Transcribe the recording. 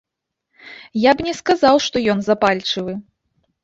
Я б не сказаў, што ён запальчывы.